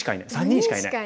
４人しかいない。